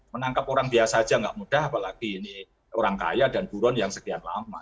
menangkap orang biasa saja tidak mudah apalagi ini orang kaya dan buron yang sekian lama